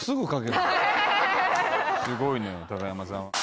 すごいのよ高山さん